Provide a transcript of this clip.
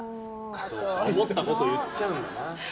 思ったことを言っちゃうんだな。